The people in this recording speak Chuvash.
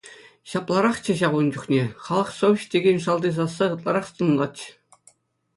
Ҫапларахчӗ ҫав ун чухне, халӑх совеҫ текен шалти сасса ытларах тӑнлатчӗ.